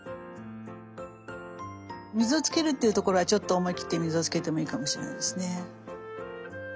水をつけるっていうところはちょっと思い切って水をつけてもいいかもしれないですね。